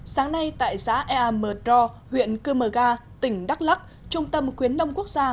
sáng nay tại xã ea mờ đo huyện cơ mờ ga tỉnh đắk lắc trung tâm khuyến nông quốc gia